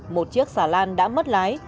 một chiếc xà lan đã mất lái